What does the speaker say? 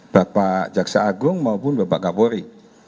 bapak jaksa agung maupun bapak kapolri